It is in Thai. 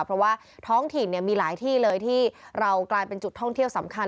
เพราะว่าท้องถิ่นมีหลายที่เลยที่เรากลายเป็นจุดท่องเที่ยวสำคัญ